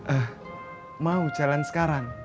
eh mau jalan sekarang